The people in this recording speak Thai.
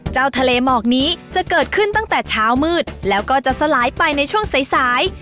เจ้าทะเลหมอกนี้จะเกิดขึ้นตั้งแต่เช้ามืดแล้วก็จะสลายไปในช่วงสาย